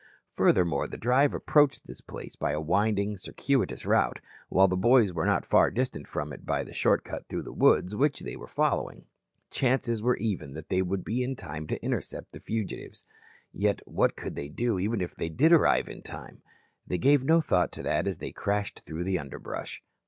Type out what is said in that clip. Furthermore, the drive approached this place by a winding, circuitous route, while the boys were not far distant from it by the shortcut through the woods which they were following. Chances were even that they would be in time to intercept the fugitives. Yet what could they do even if they arrived in time? They gave no thought to that as they crashed through the underbrush.